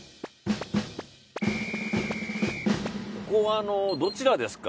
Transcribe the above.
ここはどちらですか？